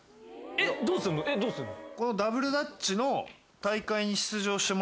えっどうすんの？